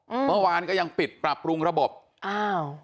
อืมเมื่อวานก็ยังปิดปรับปรุงระบบอ้าว